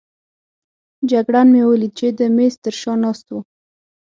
جګړن مې ولید چې د مېز تر شا ناست وو.